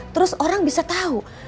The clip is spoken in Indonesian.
terus orang bisa tau